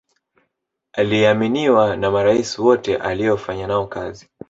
aliaminiwa na maraisi wote aliyofanya nao kazi